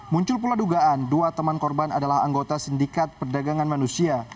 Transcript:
muncul pula dugaan dua teman korban adalah anggota sindikat perdagangan manusia